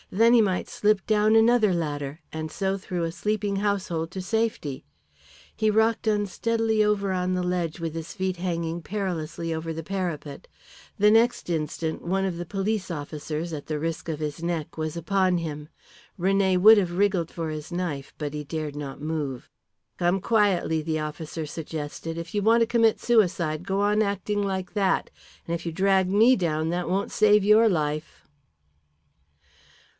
Then he might slip down another ladder, and so through a sleeping household to safety. He rocked unsteadily over on the ledge with his feet hanging perilously over the parapet; the next instant one of the police officers, at the risk of his neck, was upon him. René would have wriggled for his knife, but he dared not move. "Come quietly," the officer suggested. "If you want to commit suicide go on acting like that. And if you drag me down that won't save your life."